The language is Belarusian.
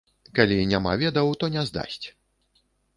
Калі няма ведаў, то не здасць.